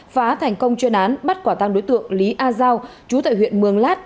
phá thành công chuyên án bắt quả tăng đối tượng lý a giao chú tại huyện mường lát